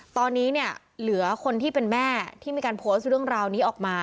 ตอนนี้เนี่ยเหลือคนที่เป็นแม่ที่มีการโพสต์เรื่องราวนี้ออกมา